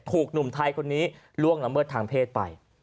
ถูกหนุ่มไทยคนนี้ล่วงละเมิดทางเพศไป